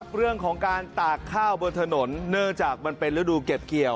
เรื่องของการตากข้าวบนถนนเนื่องจากมันเป็นฤดูเก็บเกี่ยว